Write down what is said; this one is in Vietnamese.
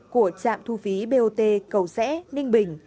của trạm thu phí bot cầu rẽ ninh bình